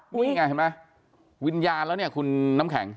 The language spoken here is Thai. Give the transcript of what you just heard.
นี่ไงเห็นไหมวิญญาณแล้วเนี่ยคุณน้ำแข็ง